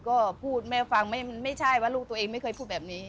ก็พูดแม่ฟังไม่ใช่ว่าลูกตัวเองไม่เคยพูดแบบนี้